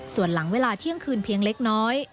ส่วนหลังเวลาเที่ยงคืนเพียงเล็กน้อย